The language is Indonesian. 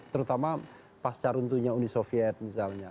terutama pasca runtuhnya uni soviet misalnya